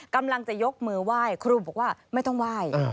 กำลังจะยกมือไหว้ครูบอกว่าไม่ต้องไหว้